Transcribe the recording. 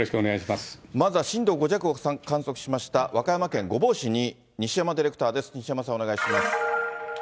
まずは震度５弱を観測しました、和歌山県御坊市に西山ディレクターです。